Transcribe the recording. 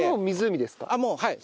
もうはい。